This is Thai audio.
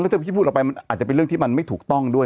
ถ้าพี่พูดออกไปมันอาจจะเป็นเรื่องที่มันไม่ถูกต้องด้วย